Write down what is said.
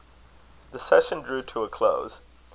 The session drew to a close.